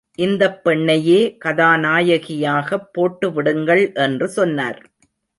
இந்தப் பெண்ணையே கதாநாயகியாகப் போட்டுவிடுங்கள் என்று சொன்னார்.